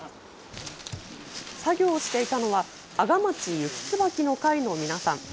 作業をしていたのは、阿賀町ゆきつばきの会の皆さん。